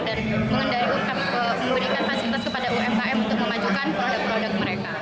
dan memberikan fasilitas kepada umkm untuk memajukan produk produk mereka